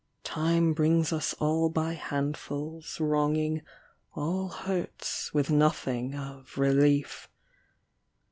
Time brings us all by handfuls, wronging All hurts with nothing of relief.